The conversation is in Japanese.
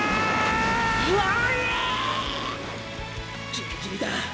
ギリギリだ！